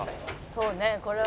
「そうねこれは」